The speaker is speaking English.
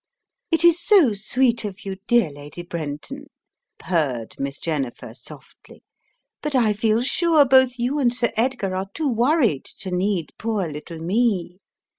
"It is so sweet of you, dear Lady Brenton," purred Miss Jennifer, softly, "but I feel sure both you and Sir Edgar are too worried to need poor little me.